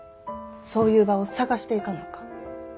そういう場を探していかなあかん。